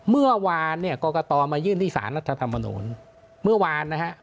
เมื่อวานเนี่ยกรกตมายื่นที่สารรัฐธรรมนุนเมื่อวานนะฮะ